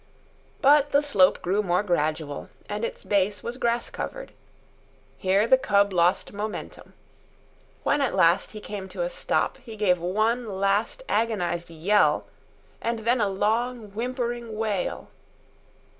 But the slope grew more gradual, and its base was grass covered. Here the cub lost momentum. When at last he came to a stop, he gave one last agonised yell and then a long, whimpering wail.